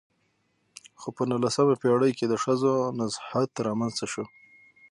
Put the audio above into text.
خو په نولسمه پېړۍ کې د ښځو نضهت رامنځته شو .